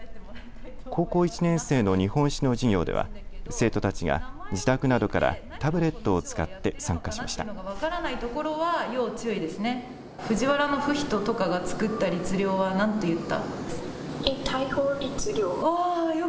高校１年生の日本史の授業では生徒たちが自宅などからタブレットを使って参加しました。